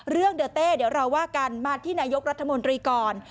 เรื่องเดอร์เต้เดี๋ยวเราว่ากันมาที่นายกรัฐมนตรีก่อน